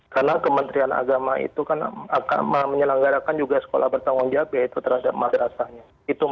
karena kementerian agama itu akan menyelenggarakan juga sekolah bertanggung jawab yaitu terhadap masyarakat